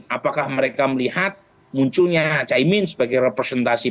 apakah mereka melihat munculnya caimin sebagai representasi